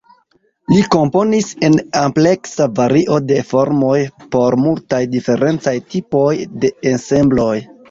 Li komponis en ampleksa vario de formoj por multaj diferencaj tipoj de ensembloj.